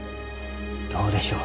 どうでしょう。